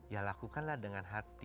ya lakukanlah dengan hati